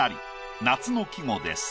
夏の季語です。